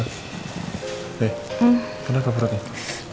eh kenapa peraknya